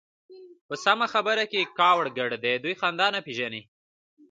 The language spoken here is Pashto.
په سمه خبره کې يې کاوړ ګډ دی. دوی خندا نه پېژني.